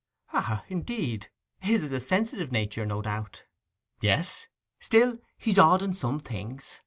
'Ah, indeed! His is a sensitive nature, no doubt.' 'Yes. Still he's odd in some things.